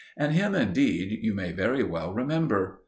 And him indeed you may very well remember.